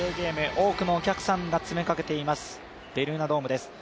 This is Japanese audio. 多くのお客さんが詰めかけていますベルーナドームです。